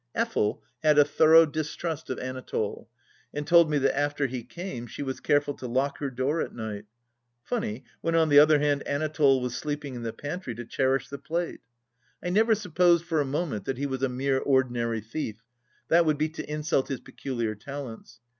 Effel, had a thorough distrust of Anatole, and told me that after he came she was careful to lock her door at night. Funny, when on the other hand Anatole was sleeping in the pantry to cherish the plate 1 I never supposed for a moment that he was a mere ordinary thief ; that would be to insult his peculiar talents.